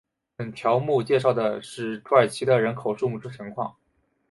本条目介绍的是土耳其的人口数目情况。